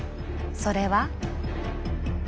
それは。